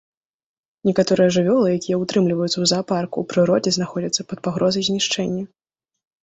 Некаторыя жывёлы, якія ўтрымліваюцца ў заапарку, у прыродзе знаходзяцца пад пагрозай знішчэння.